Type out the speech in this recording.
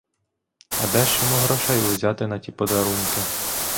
А де ж йому грошей узяти на ті подарунки?